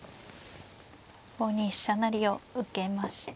５二飛車成を受けました。